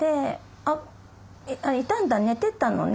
「いたんだ寝てたのね」